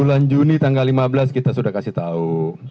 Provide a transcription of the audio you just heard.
bulan juni tanggal lima belas kita sudah kasih tahu